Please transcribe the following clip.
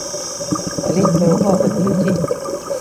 Маленькая ўвага да людзей.